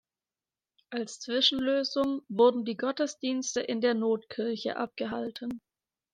Als Zwischenlösung wurden die Gottesdienste in der Notkirche abgehalten.